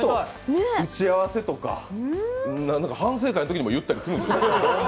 打ち合わせとか、反省会のときも言ったりするんです。